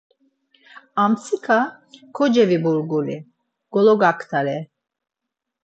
Amtsika koceviburgulii gologaktare.